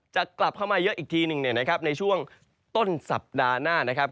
จะกลับเข้ามาเยอะอีกทีหนึ่งเนี่ยนะครับในช่วงต้นสัปดาห์หน้านะครับ